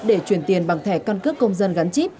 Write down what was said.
để chuyển tiền bằng thẻ căn cước công dân gắn chip